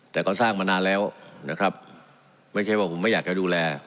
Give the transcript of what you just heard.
แต่ก็สร้างมานานแล้วนะครับไม่ใช่ว่าผมไม่อยากจะดูแล